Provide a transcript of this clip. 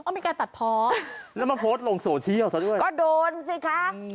อ้อมีการตัดพอแล้วมาโพสต์ลงโสชี้เอาเถอะด้วยก็โดนสิคะอืม